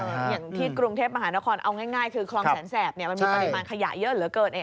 อย่างที่กรุงเทพมหานครเอาง่ายคือคลองแสนแสบมันมีปริมาณขยะเยอะเหลือเกิน